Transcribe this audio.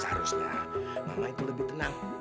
seharusnya mama itu lebih tenang